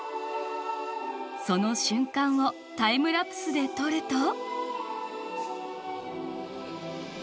その瞬間をタイムラプスで撮ると。